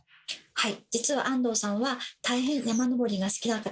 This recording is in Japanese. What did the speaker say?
はい。